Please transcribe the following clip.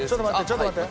ちょっと待って！